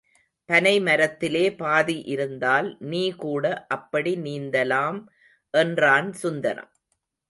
பனை மரத்திலே பாதி இருந்தால் நீகூட அப்படி நீந்தலாம் என்றான் சுந்தரம்.